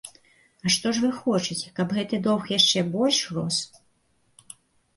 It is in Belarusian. А што ж вы хочаце, каб гэты доўг яшчэ больш рос?